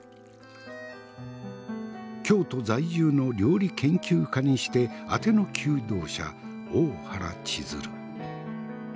京都在住の料理研究家にしてあての求道者大原千鶴。